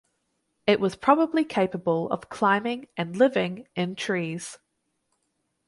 It was probably capable of climbing and living in trees.